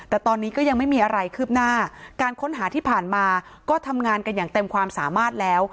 แต่ตอนนี้ก็ยังไม่มีอะไรคืบหน้าการค้นหาที่ผ่านมาก็ทำงานกันอย่างเต็มความสามารถแล้ว